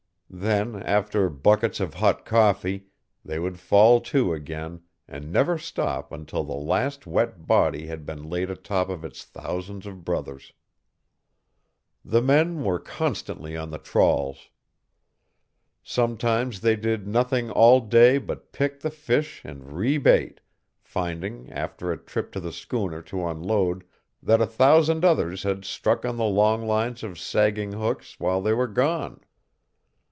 Then, after buckets of hot coffee, they would fall to again and never stop until the last wet body had been laid atop of its thousands of brothers. The men were constantly on the trawls. Sometimes they did nothing all day but pick the fish and rebait, finding, after a trip to the schooner to unload, that a thousand others had struck on the long lines of sagging hooks while they were gone.